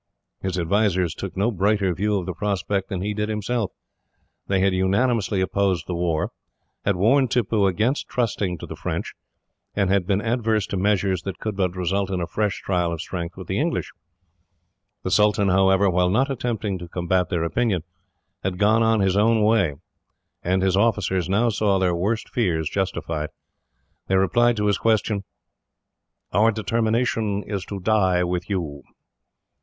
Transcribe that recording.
His advisers took no brighter view of the prospect than he did himself. They had unanimously opposed the war, had warned Tippoo against trusting to the French, and had been adverse to measures that could but result in a fresh trial of strength with the English. The Sultan, however, while not attempting to combat their opinion, had gone on his own way, and his officers now saw their worst fears justified. They replied to his question: "Our determination is to die with you."